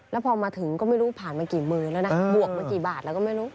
แล้วพอมาถึงก็ไม่รู้ผ่านมากี่มือแล้วนะบวกมากี่บาทแล้วก็ไม่รู้